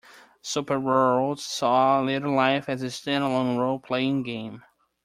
"Superworld" saw a later life as a standalone roleplaying game.